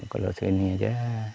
kalau sini aja